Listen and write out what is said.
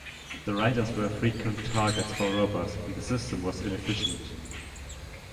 The riders were frequent targets for robbers, and the system was inefficient.